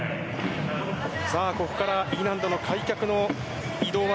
ここからＥ難度の開脚の移動技。